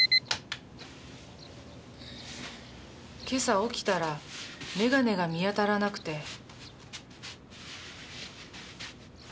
今朝起きたらメガネが見当たらなくて。